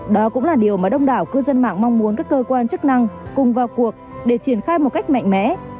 đó cũng là điều mà đông đảo cư dân mạng mong muốn các cơ quan chức năng cùng vào cuộc để triển khai một cách mạnh mẽ